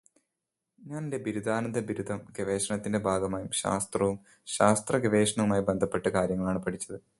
ഞാൻ എന്റെ ബിരുദാനന്തരബിരുദ ഗവേഷണത്തിന്റെ ഭാഗമായും ശാസ്ത്രവും ശാസ്ത്രഗവേഷണവുമായി ബന്ധപ്പെട്ട കാര്യങ്ങളാണ് പഠിച്ചത്.